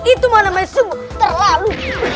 itu mah namanya terlalu